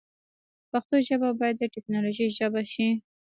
پښتو ژبه باید د تکنالوژۍ ژبه شی